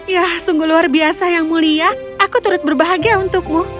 ya sungguh luar biasa yang mulia aku turut berbahagia untukmu